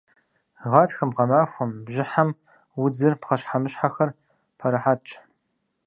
Гъатхэм, гъэмахуэм, бжьыхьэм удзыр, пхъэщхьэмыщхьэхэр пэрыхьэтщ.